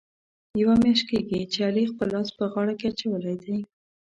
یوه میاشت کېږي، چې علي خپل لاس په غاړه کې اچولی دی.